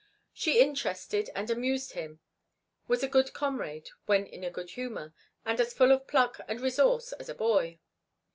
She interested and amused him, was a good comrade when in a good humor, and as full of pluck and resource as a boy.